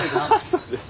そうです。